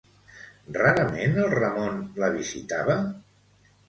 Rarament el Ramon la visitava?